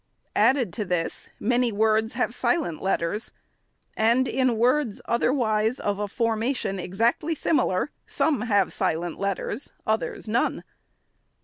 Added to this, many words have silent letters ; and in words, otherwise of a formation exactly similar, some have silent letters, others none.